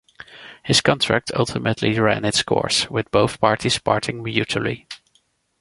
His contract ultimately ran its course with both parties parting mutually.